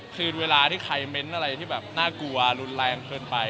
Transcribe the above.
คือเวลาที่ใครเม้นต์อะไรที่แบบน่ากลัวรุนแรงเกินไป